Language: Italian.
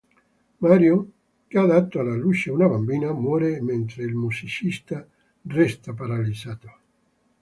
Marion, che ha dato alla luce una bambina, muore mentre il musicista resta paralizzato.